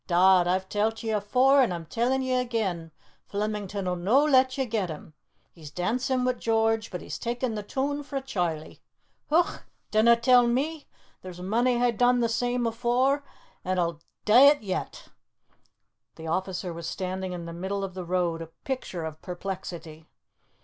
"Dod, a've tell't ye afore an' a'm telling ye again Flemington 'll no let ye get him! He's dancin' wi' George, but he's takin' the tune frae Chairlie. Heuch! dinna tell me! There's mony hae done the same afore an' 'll dae it yet!" The officer was standing in the middle of the road, a picture of perplexity.